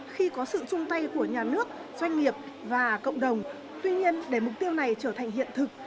khi có sự chung tay của nhà nước doanh nghiệp và cộng đồng tuy nhiên để mục tiêu này trở thành hiện thực